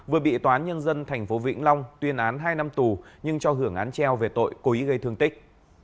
vừa bị toán nhân dân tp vĩnh long tuyên án hai năm tù nhưng cho hưởng án treo về tội cố ý gây thương tích